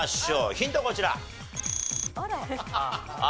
ヒントはこちら。